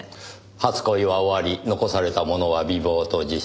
初恋は終わり残されたものは美貌と自信。